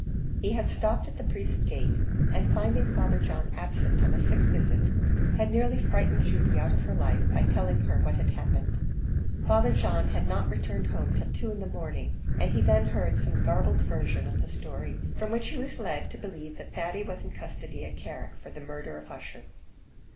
He had stopped at the priest's gate, and finding Father John absent on a sick visit, had nearly frightened Judy out of her life, by telling her what had happened. Father John had not returned home till two in the morning, and he then heard some garbled version of the story, from which he was led to believe that Thady was in custody at Carrick, for the murder of Ussher.